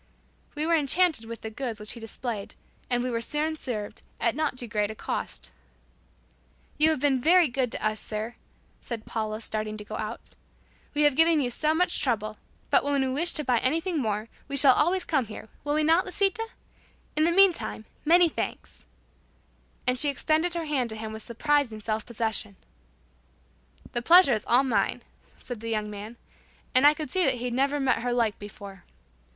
We were enchanted with the goods which he displayed, and we were soon served, at not too great a cost. "You have been very good to us, sir," said Paula, starting to go out. "We have given you so much trouble, but when we wish to buy anything more, we shall always come here, will we not, Lisita? In the meantime, many thanks," and she extended her hand to him with surprising self possession. "The pleasure is all mine," said the young man, and I could see that he'd never met her like before.